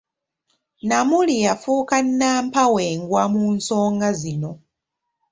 Namuli yafuuka nnampawengwa mu nsonga zino.